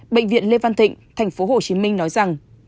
bệnh viện lê văn thịnh tp hcm nói rằng